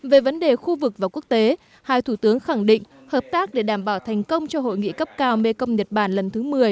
về vấn đề khu vực và quốc tế hai thủ tướng khẳng định hợp tác để đảm bảo thành công cho hội nghị cấp cao mekong nhật bản lần thứ một mươi